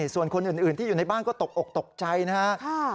ส่วนคนอื่นที่อยู่ในบ้านก็ตกอกตกใจนะครับ